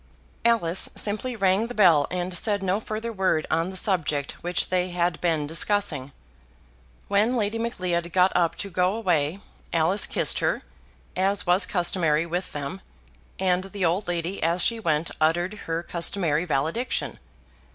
Alice simply rang the bell, and said no further word on the subject which they had been discussing. When Lady Macleod got up to go away, Alice kissed her, as was customary with them, and the old lady as she went uttered her customary valediction.